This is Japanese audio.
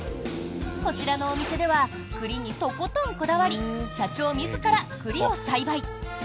こちらのお店では栗にとことんこだわり社長自ら栗を栽培。